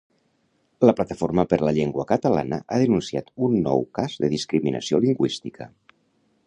La Plataforma per la Llengua catalana ha denunciat un nou cas de discriminació lingüística